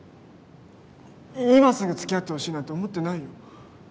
今すぐつきあってほしいなんて思ってないよ。